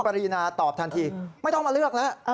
คุณปรินาตอบทันทีไม่ต้องมาเลือกละ